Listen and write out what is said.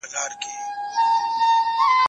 غږونه اوس تشریح کېږي.